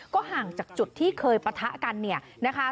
ก็ห่างจากจุดที่เคยปะทะกันเนี่ยนะคะ